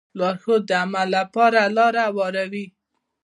لارښود د عمل لپاره لاره هواروي.